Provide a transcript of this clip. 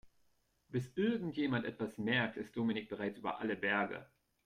Bis irgendjemand etwas merkt, ist Dominik bereits über alle Berge.